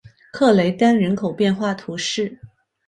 克雷丹人口变化图示